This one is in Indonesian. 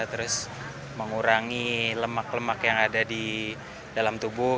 terus mengurangi lemak lemak yang ada di dalam tubuh